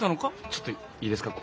ちょっといいですか。